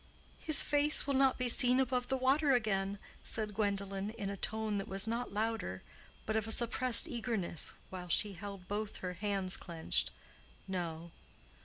"His face will not be seen above the water again," said Gwendolen, in a tone that was not louder, but of a suppressed eagerness, while she held both her hands clenched. "No."